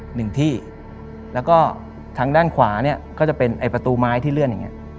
หนึ่งที่แล้วก็ทางด้านขวาเนี่ยก็จะเป็นไอ้ประตูไม้ที่เลื่อนอย่างเงี้